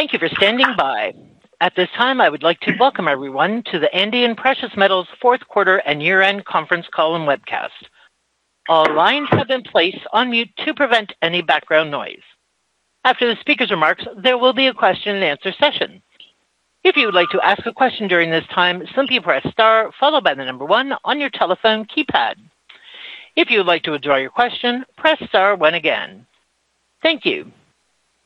Thank you for standing by. At this time, I would like to welcome everyone to the Andean Precious Metals fourth quarter and year-end conference call and webcast. All lines have been placed on mute to prevent any background noise. After the speaker's remarks, there will be a question and answer session. If you would like to ask a question during this time, simply press star followed by the number one on your telephone keypad. If you would like to withdraw your question, press star one again. Thank you.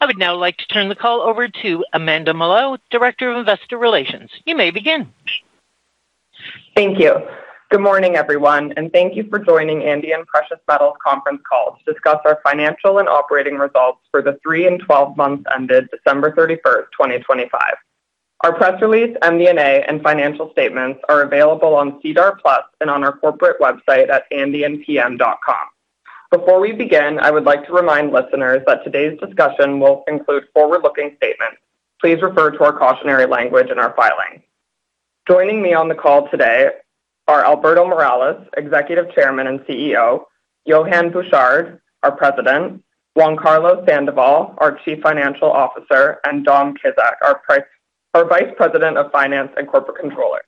I would now like to turn the call over to Amanda Mallough, Director of Investor Relations. You may begin. Thank you. Good morning, everyone, and thank you for joining Andean Precious Metals conference call to discuss our financial and operating results for the three and 12 months ended December 31st, 2025. Our press release, MD&A, and financial statements are available on SEDAR+ and on our corporate website at andeanpm.com. Before we begin, I would like to remind listeners that today's discussion will include forward-looking statements. Please refer to our cautionary language in our filing. Joining me on the call today are Alberto Morales, Executive Chairman and CEO, Yohann Bouchard, our President, Juan Carlos Sandoval, our Chief Financial Officer, and Dom Kizek, our Vice President of Finance and Corporate Controller.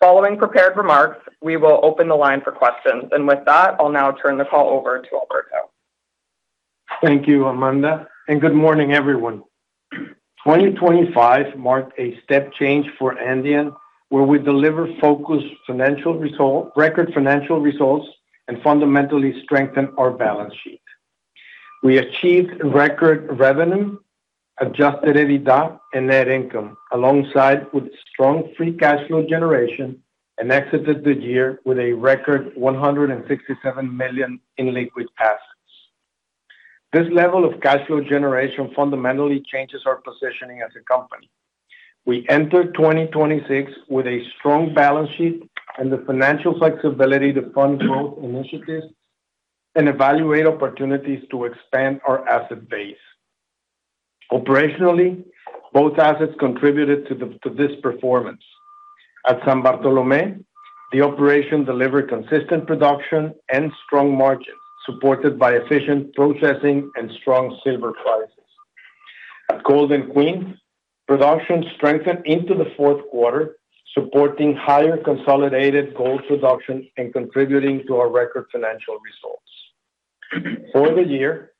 Following prepared remarks, we will open the line for questions. With that, I'll now turn the call over to Alberto. Thank you, Amanda, and good morning, everyone. 2025 marked a step change for Andean, where we record financial results and fundamentally strengthen our balance sheet. We achieved record revenue, Adjusted EBITDA and net income, alongside with strong free cash flow generation and exited the year with a record $167 million in liquid assets. This level of cash flow generation fundamentally changes our positioning as a company. We enter 2026 with a strong balance sheet and the financial flexibility to fund growth initiatives and evaluate opportunities to expand our asset base. Operationally, both assets contributed to this performance. At San Bartolomé, the operation delivered consistent production and strong margins, supported by efficient processing and strong silver prices. At Golden Queen, production strengthened into the fourth quarter, supporting higher consolidated gold production and contributing to our record financial results. For the year,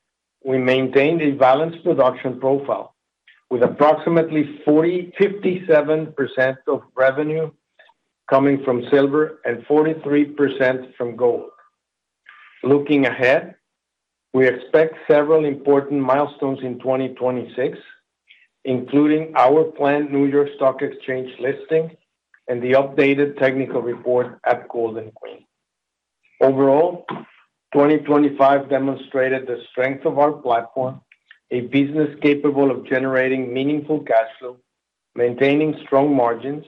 we maintained a balanced production profile with approximately 57% of revenue coming from silver and 43% from gold. Looking ahead, we expect several important milestones in 2026, including our planned New York Stock Exchange listing and the updated technical report at Golden Queen. Overall, 2025 demonstrated the strength of our platform, a business capable of generating meaningful cash flow, maintaining strong margins,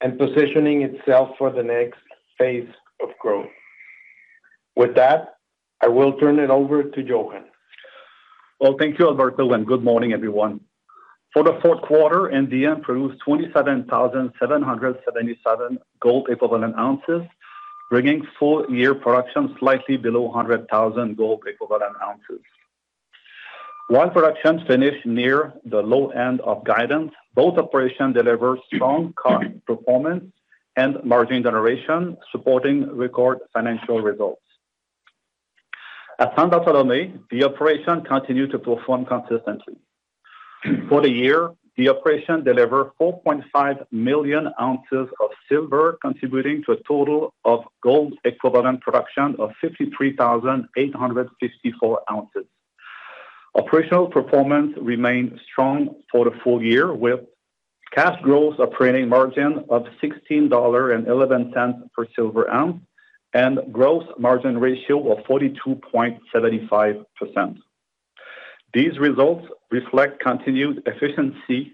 and positioning itself for the next phase of growth. With that, I will turn it over to Yohann. Well, thank you, Alberto, and good morning, everyone. For the fourth quarter, Andean produced 27,777 gold equivalent ounces, bringing full-year production slightly below 100,000 gold equivalent ounces. While production finished near the low end of guidance, both operations delivered strong current performance and margin generation, supporting record financial results. At San Bartolomé, the operation continued to perform consistently. For the year, the operation delivered 4.5 million ounces of silver, contributing to a total of gold equivalent production of 53,854 ounces. Operational performance remained strong for the full year, with cash gross operating margin of $16.11 per silver ounce and gross margin ratio of 42.75%. These results reflect continued efficiency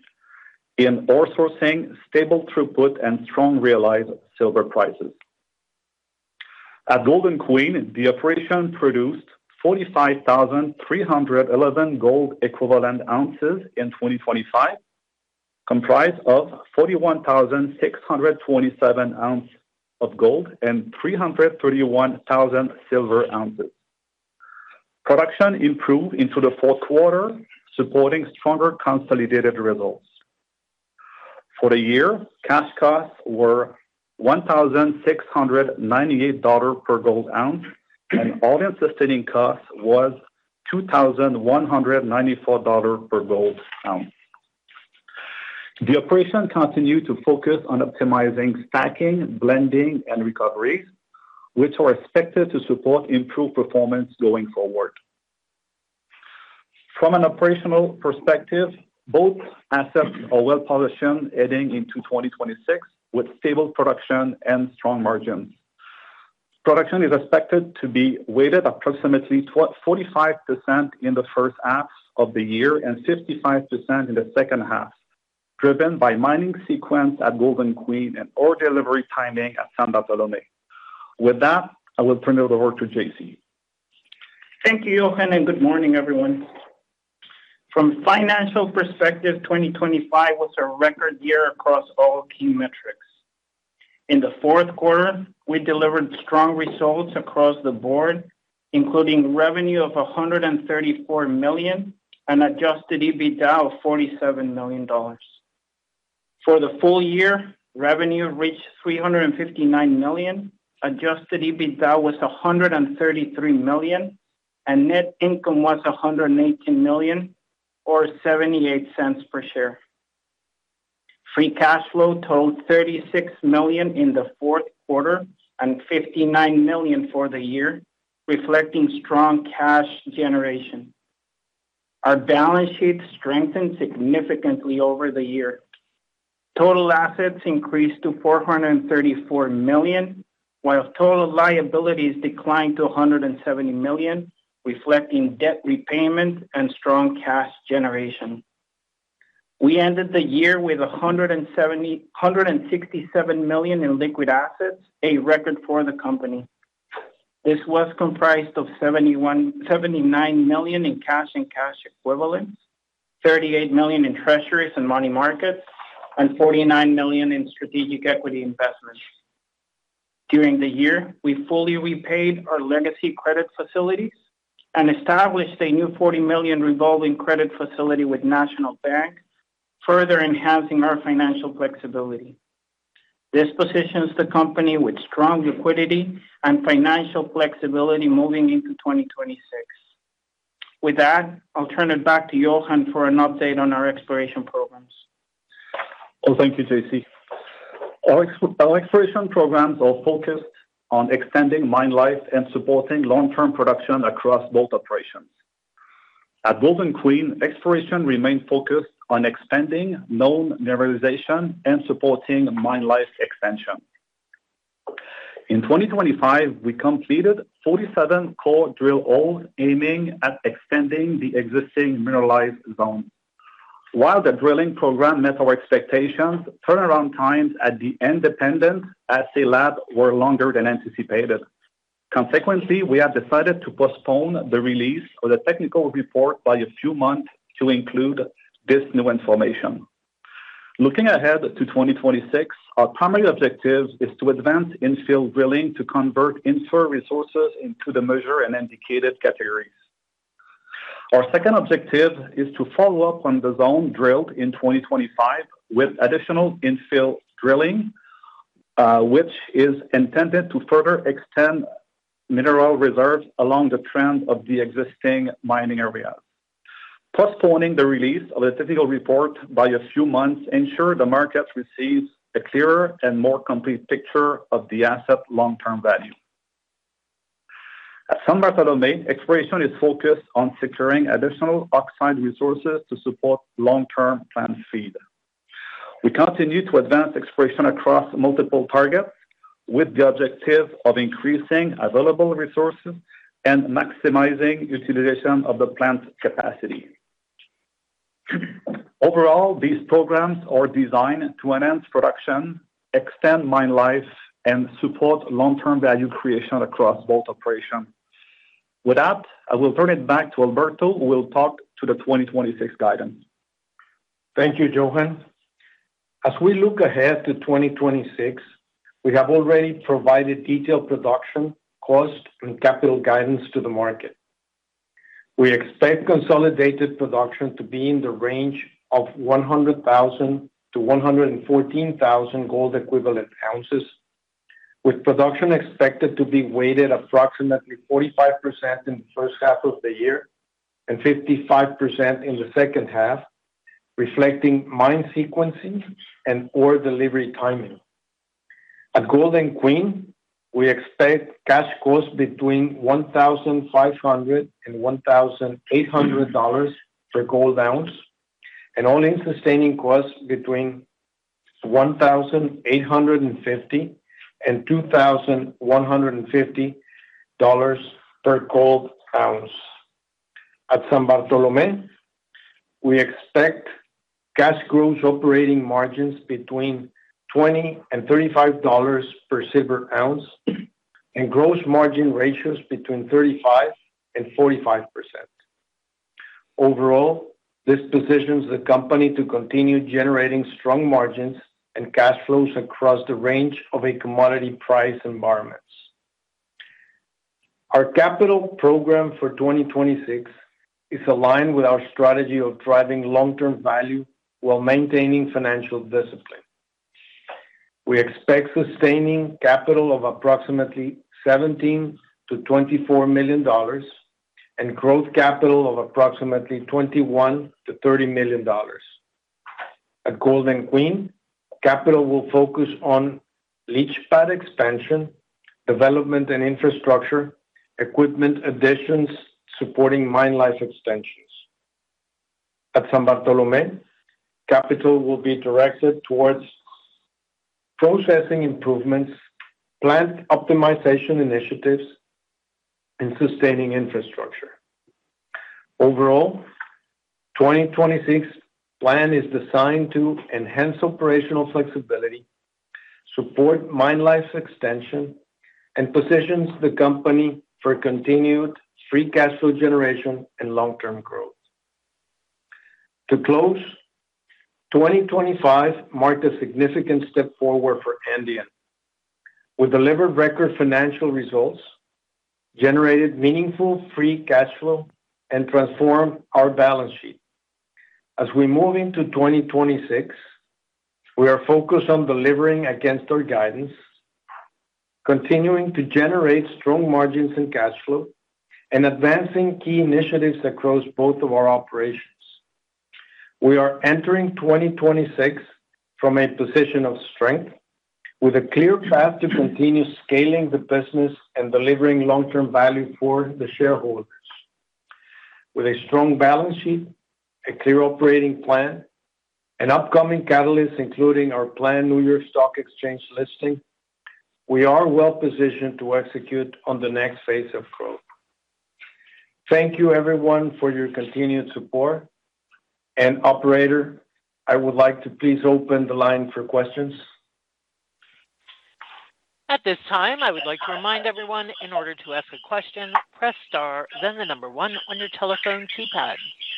in ore sourcing, stable throughput and strong realized silver prices. At Golden Queen, the operation produced 45,311 gold equivalent ounces in 2025, comprised of 41,627 ounce of gold and 331,000 silver ounces. Production improved into the fourth quarter, supporting stronger consolidated results. For the year, cash costs were $1,698 per gold ounce, and all-in sustaining costs was $2,194 per gold ounce. The operation continued to focus on optimizing stacking, blending, and recovery, which are expected to support improved performance going forward. From an operational perspective, both assets are well-positioned heading into 2026 with stable production and strong margins. Production is expected to be weighted approximately 45% in the first half of the year and 55% in the second half, driven by mining sequence at Golden Queen and ore delivery timing at San Bartolomé. With that, I will turn it over to JC. Thank you, Yohann, and good morning, everyone. From a financial perspective, 2025 was a record year across all key metrics. In the fourth quarter, we delivered strong results across the board, including revenue of $134 million and Adjusted EBITDA of $47 million. For the full year, revenue reached $359 million, Adjusted EBITDA was $133 million, and net income was $118 million or $0.78 per share. Free cash flow totaled $36 million in the fourth quarter and $59 million for the year, reflecting strong cash generation. Our balance sheet strengthened significantly over the year. Total assets increased to $434 million, while total liabilities declined to $170 million, reflecting debt repayment and strong cash generation. We ended the year with $167 million in liquid assets, a record for the company. This was comprised of $79 million in cash and cash equivalents, $38 million in treasuries and money markets, and $49 million in strategic equity investments. During the year, we fully repaid our legacy credit facilities and established a new $40 million revolving credit facility with National Bank, further enhancing our financial flexibility. This positions the company with strong liquidity and financial flexibility moving into 2026. With that, I'll turn it back to Yohann for an update on our exploration programs. Oh, thank you, JC. Our exploration programs are focused on extending mine life and supporting long-term production across both operations. At Golden Queen, exploration remains focused on expanding known mineralization and supporting mine life expansion. In 2025, we completed 47 core drill holes aiming at extending the existing mineralized zone. While the drilling program met our expectations, turnaround times at the independent assay lab were longer than anticipated. Consequently, we have decided to postpone the release of the technical report by a few months to include this new information. Looking ahead to 2026, our primary objective is to advance infill drilling to convert inferred resources into the measured and indicated categories. Our second objective is to follow up on the zone drilled in 2025 with additional infill drilling, which is intended to further extend mineral reserves along the trend of the existing mining area. Postponing the release of the technical report by a few months ensures the market receives a clearer and more complete picture of the asset's long-term value. At San Bartolomé, exploration is focused on securing additional oxide resources to support long-term plant feed. We continue to advance exploration across multiple targets with the objective of increasing available resources and maximizing utilization of the plant's capacity. Overall, these programs are designed to enhance production, extend mine life, and support long-term value creation across both operations. With that, I will turn it back to Alberto, who will talk about the 2026 guidance. Thank you, Yohann. As we look ahead to 2026, we have already provided detailed production, cost, and capital guidance to the market. We expect consolidated production to be in the range of 100,000-114,000 gold equivalent ounces, with production expected to be weighted approximately 45% in the first half of the year and 55% in the second half, reflecting mine sequencing and ore delivery timing. At Golden Queen, we expect cash costs between $1,500-$1,800 per gold ounce, and all-in sustaining costs between $1,850-$2,150 per gold ounce. At San Bartolomé, we expect cash gross operating margins between $20-$35 per silver ounce and gross margin ratios between 35%-45%. Overall, this positions the company to continue generating strong margins and cash flows across the range of a commodity price environments. Our capital program for 2026 is aligned with our strategy of driving long-term value while maintaining financial discipline. We expect sustaining capital of approximately $17 million-$24 million and growth capital of approximately $21 million-$30 million. At Golden Queen, capital will focus on leach pad expansion, development and infrastructure, equipment additions supporting mine life extensions. At San Bartolomé, capital will be directed towards processing improvements, plant optimization initiatives, and sustaining infrastructure. Overall, 2026 plan is designed to enhance operational flexibility, support mine life extension, and positions the company for continued free cash flow generation and long-term growth. To close, 2025 marked a significant step forward for Andean. We delivered record financial results, generated meaningful free cash flow, and transformed our balance sheet. As we move into 2026, we are focused on delivering against our guidance, continuing to generate strong margins and cash flow, and advancing key initiatives across both of our operations. We are entering 2026 from a position of strength with a clear path to continue scaling the business and delivering long-term value for the shareholders. With a strong balance sheet, a clear operating plan, and upcoming catalysts, including our planned New York Stock Exchange listing, we are well-positioned to execute on the next phase of growth. Thank you everyone for your continued support. Operator, I would like to please open the line for questions. At this time, I would like to remind everyone in order to ask a question, press star then 1 on your telephone keypad. We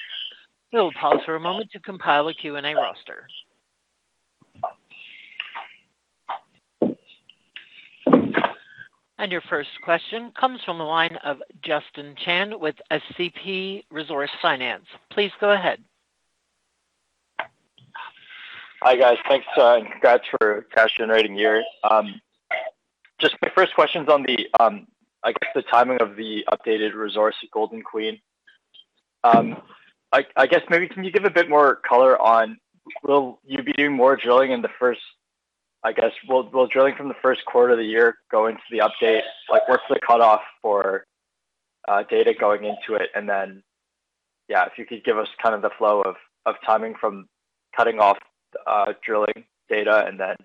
will pause for a moment to compile a Q&A roster. Your first question comes from the line of Justin Chan with SCP Resource Finance. Please go ahead. Hi, guys. Thanks, congrats for a cash-generating year. Just my first question is on the, I guess the timing of the updated resource at Golden Queen. I guess maybe can you give a bit more color on, will you be doing more drilling? I guess, will drilling from the first quarter of the year go into the update? Like, what's the cutoff for data going into it? Then, yeah, if you could give us kind of the flow of timing from cutting off drilling data and then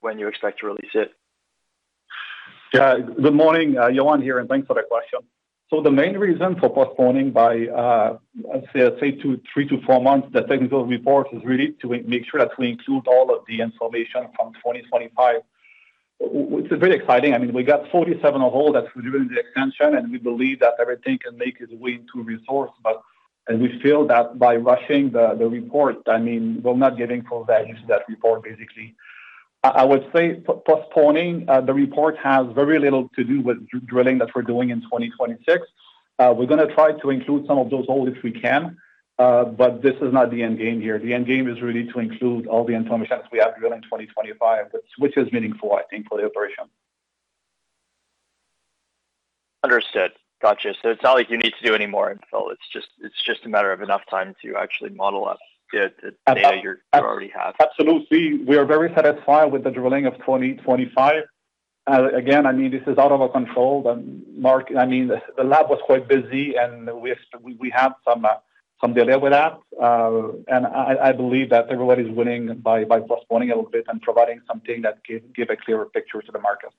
when you expect to release it? Good morning. Yohann here, and thanks for that question. The main reason for postponing by let's say three to four months the technical report is really to make sure that we include all of the information from 2025. Which is very exciting. I mean, we got 47-meter hole that's within the extension, and we believe that everything can make its way into resource. As we feel that by rushing the report, I mean, we're not getting full value to that report, basically. I would say postponing the report has very little to do with drilling that we're doing in 2026. We're gonna try to include some of those holes if we can, but this is not the end game here. The end game is really to include all the information we have drilled in 2025, but which is meaningful, I think, for the operation. Understood. Gotcha. It's not like you need to do any more info. It's just a matter of enough time to actually model up the data you already have. Absolutely. We are very satisfied with the drilling of 2025. Again, I mean, this is out of our control. I mean, the lab was quite busy, and we have some delay with that. I believe that everybody's winning by postponing a little bit and providing something that give a clearer picture to the market.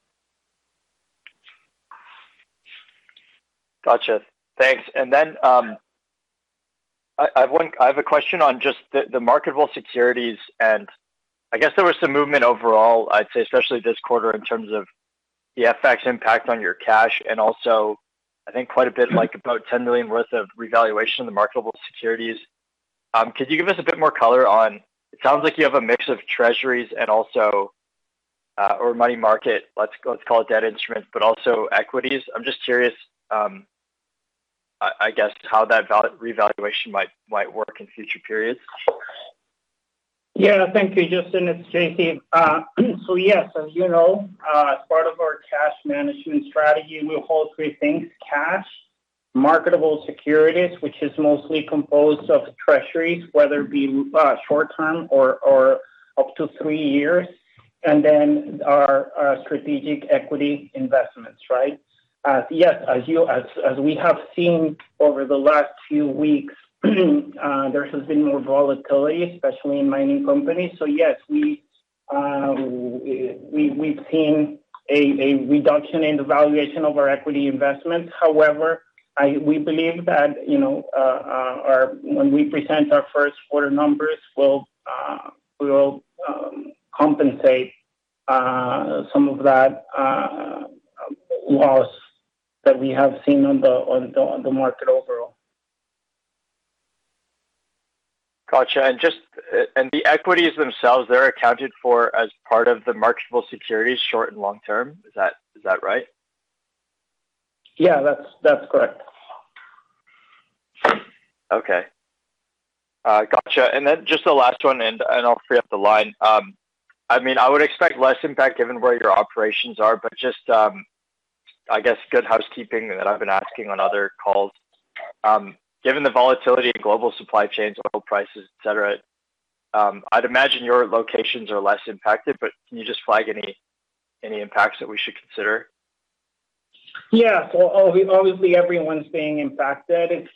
Gotcha. Thanks. I have a question on just the marketable securities, and I guess there was some movement overall, I'd say, especially this quarter in terms of the FX impact on your cash and also I think quite a bit like about $10 million worth of revaluation of the marketable securities. Could you give us a bit more color on. It sounds like you have a mix of treasuries and also or money market, let's call it debt instruments, but also equities. I'm just curious, I guess how that revaluation might work in future periods? Yeah. Thank you, Justin. It's JC. Yes, as you know, as part of our cash management strategy, we hold three things, cash, marketable securities, which is mostly composed of treasuries, whether it be short-term or up to three years, and then our strategic equity investments, right? Yes, as we have seen over the last few weeks, there has been more volatility, especially in mining companies. Yes, we've seen a reduction in the valuation of our equity investments. However, we believe that, you know, when we present our first quarter numbers, we'll compensate some of that loss that we have seen on the market overall. Gotcha. Just the equities themselves, they're accounted for as part of the marketable securities, short- and long-term. Is that right? Yeah, that's correct. Okay. Gotcha. Just the last one, and I'll free up the line. I mean, I would expect less impact given where your operations are, but just, I guess good housekeeping that I've been asking on other calls. Given the volatility in global supply chains, oil prices, et cetera, I'd imagine your locations are less impacted, but can you just flag any impacts that we should consider? Yeah. So obviously, everyone's being impacted. If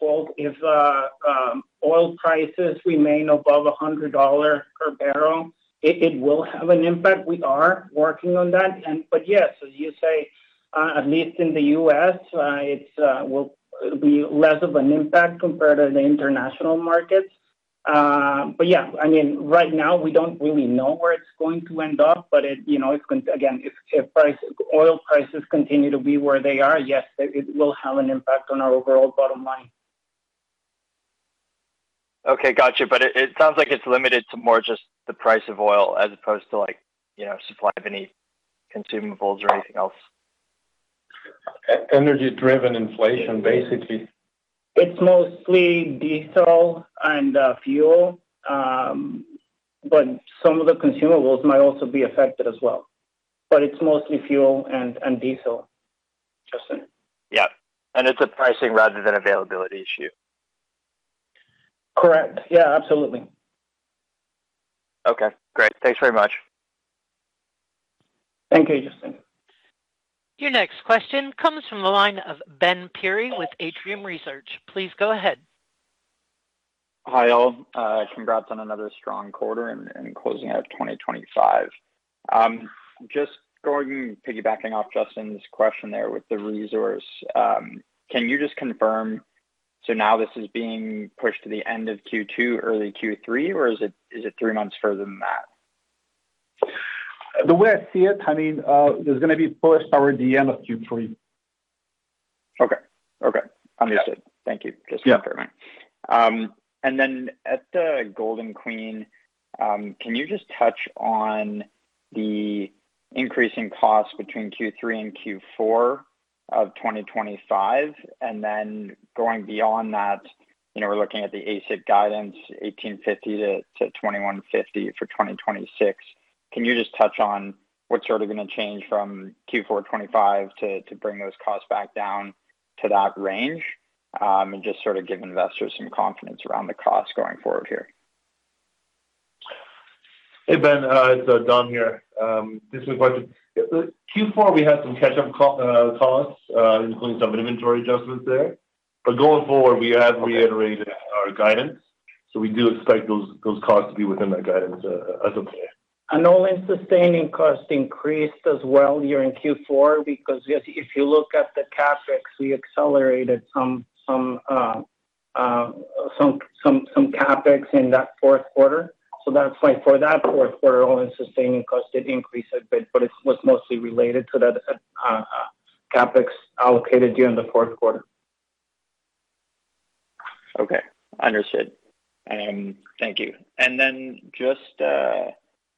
oil prices remain above $100 per barrel, it will have an impact. We are working on that. Yes, as you say, at least in the U.S., it will be less of an impact compared to the international markets. Yeah, I mean, right now we don't really know where it's going to end up, but you know, it's again, if oil prices continue to be where they are, yes, it will have an impact on our overall bottom line. Okay. Got you. It sounds like it's limited to more just the price of oil as opposed to like, you know, supply of any consumables or anything else? Energy-driven inflation, basically. It's mostly diesel and fuel. Some of the consumables might also be affected as well. It's mostly fuel and diesel, Justin. Yeah. It's a pricing rather than availability issue? Correct. Yeah, absolutely. Okay, great. Thanks very much. Thank you, Justin. Your next question comes from the line of Ben Pirie with Atrium Research. Please go ahead. Hi, all. Congrats on another strong quarter and closing out 2025. Just piggybacking off Justin's question there with the resource, can you just confirm, so now this is being pushed to the end of Q2, early Q3, or is it three months further than that? The way I see it, I mean, there's gonna be full power at the end of Q3. Okay. Understood. Thank you. Just confirming. Yeah. At the Golden Queen, can you just touch on the increasing costs between Q3 and Q4 of 2025? Going beyond that, you know, we're looking at the AISC guidance $1,850-$2,150 for 2026. Can you just touch on what's sort of gonna change from Q4 2025 to bring those costs back down to that range, and just sort of give investors some confidence around the cost going forward here? Hey, Ben, it's Don here. This is Q4 we had some catch-up costs, including some inventory adjustments there. Going forward, we have reiterated our guidance, so we do expect those costs to be within that guidance, as of today. All-in sustaining costs increased as well during Q4 because yes, if you look at the CapEx, we accelerated some CapEx in that fourth quarter. That's why for that fourth quarter, all-in sustaining costs did increase a bit, but it was mostly related to that CapEx allocated during the fourth quarter. Okay. Understood. Thank you. Then just,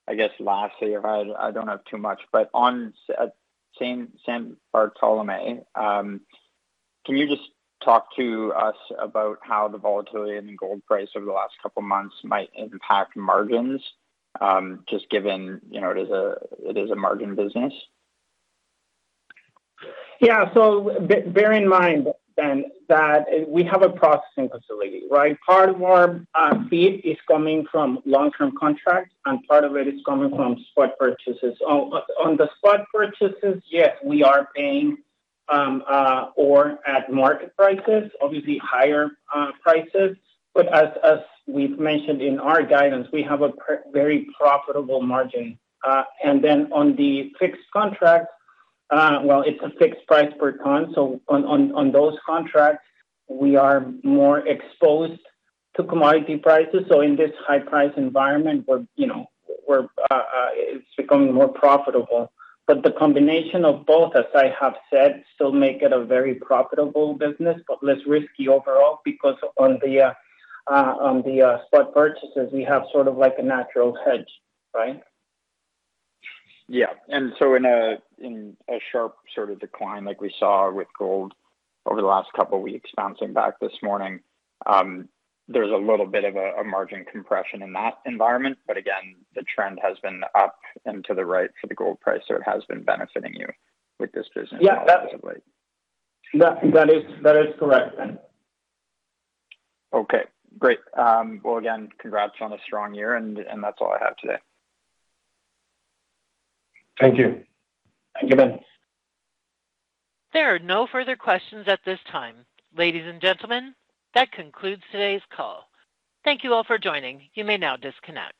I guess lastly, if I don't have too much, but on San Bartolomé, can you just talk to us about how the volatility in the gold price over the last couple months might impact margins, just given, you know, it is a margin business? Bear in mind that we have a processing facility, right? Part of our feed is coming from long-term contracts, and part of it is coming from spot purchases. On the spot purchases, yes, we are paying for ore at market prices, obviously higher prices. As we've mentioned in our guidance, we have a very profitable margin. Well, on the fixed contracts, it's a fixed price per ton. On those contracts, we are more exposed to commodity prices. In this high price environment, you know, it's becoming more profitable. The combination of both, as I have said, still make it a very profitable business, but less risky overall because on the spot purchases, we have sort of like a natural hedge, right? Yeah. In a sharp sort of decline like we saw with gold over the last couple weeks bouncing back this morning, there's a little bit of a margin compression in that environment. Again, the trend has been up and to the right for the gold price, so it has been benefiting you with this business positively. Yeah, that is correct then. Okay, great. Well, again, congrats on a strong year, and that's all I have today. Thank you. Thank you, Ben. There are no further questions at this time. Ladies and gentlemen, that concludes today's call. Thank you all for joining. You may now disconnect.